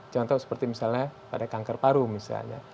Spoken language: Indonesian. contoh seperti misalnya pada kanker paru misalnya